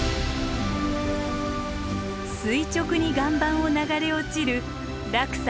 垂直に岩盤を流れ落ちる落差